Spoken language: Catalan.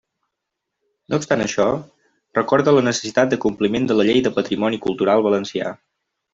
No obstant això, recorda la necessitat de compliment de la Llei de patrimoni cultural valencià.